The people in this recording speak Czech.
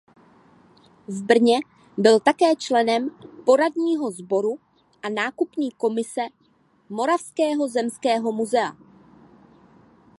V Brně byl také členem poradního sboru a nákupní komise Moravského zemského muzea.